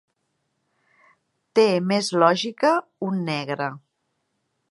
Té més lògica un negre.